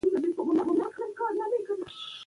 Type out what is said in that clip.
ازادي راډیو د د تګ راتګ ازادي ستر اهميت تشریح کړی.